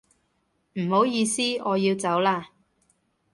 唔好意思，我要走啦